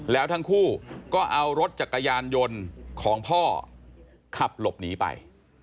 แล้วทั้งคู่ก็เอารถจักรยานยนต์ของพ่อขับหลบหนีไป